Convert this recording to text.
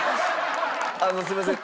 あのすみません。